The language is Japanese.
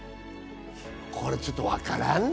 これちょっとわからんね。